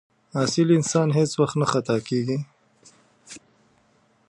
اصیل انسان هېڅ وخت نه خطا کېږي.